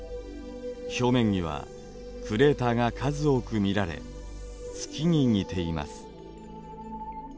表面にはクレーターが数多く見られ月に似ています。